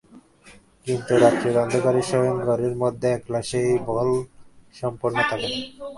কিন্তু রাত্রের অন্ধকারে শয়নঘরের মধ্যে একলা সেই বল সম্পূর্ণ থাকে না।